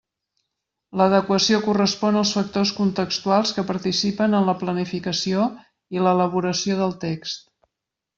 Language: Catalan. L'adequació correspon als factors contextuals que participen en la planificació i l'elaboració del text.